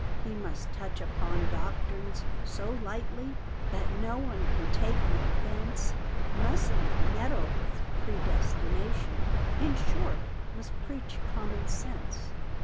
He must touch upon doctrines so lightly, That no one can take an offence, Mustn't meddle with predestination In short, must preach "common sense."